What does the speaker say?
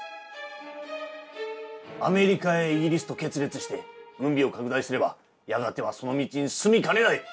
アメリカイギリスと決裂して軍備を拡大すればやがてはその道に進みかねない！